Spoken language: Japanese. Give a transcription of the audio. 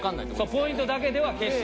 ポイントだけでは決して。